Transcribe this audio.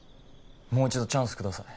もう一度チャンスください